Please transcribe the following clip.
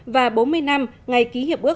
và bốn mươi năm ngày ký hiệp ước